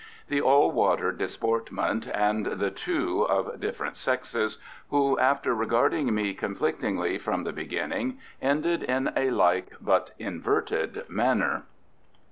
The all water disportment and the two, of different sexes, who after regarding me conflictingly from the beginning, ended in a like but inverted manner.